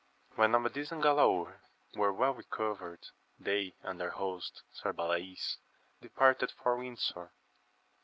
HEN Amadis and Galaor were well recovered, they and their host, Sir Balays, departed for Windsor.